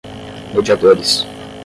mediadores